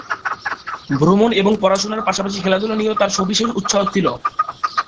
ভ্রমণ এবং পড়াশোনার পাশাপাশি খেলাধূলা নিয়েও তার সবিশেষ উৎসাহ ছিল।